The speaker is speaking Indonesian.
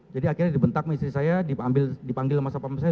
jadi akhirnya dibentak maistri saya dipanggil masa masa saya